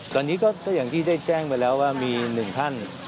ตอนนี้ก็อย่างที่ได้แจ้งไปแล้วว่ามีหนึ่งท่าน